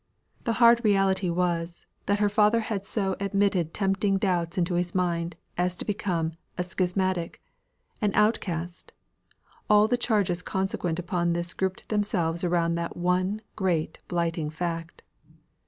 The hard reality was, that her father had so admitted tempting doubts into his mind as to become a schismatic an outcast; all the changes consequent upon this grouped themselves around that one great blighting fact.